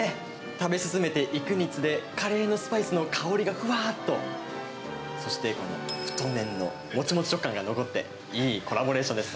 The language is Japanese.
食べ進めていくにつれ、カレーのスパイスの香りがふわっと、そしてこの太麺のもちもち食感が残って、いいコラボレーションです。